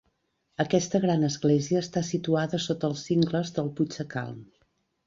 Aquesta gran església està situada sota els cingles del Puigsacalm.